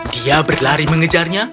dia berlari mengejarnya